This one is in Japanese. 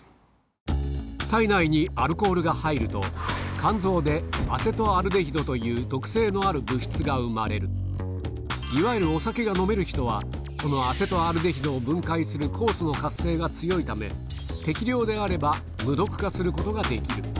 肝臓でアセトアルデヒドという毒性のある物質が生まれるいわゆるお酒が飲める人はこのアセトアルデヒドを分解する酵素の活性が強いため適量であれば無毒化することができる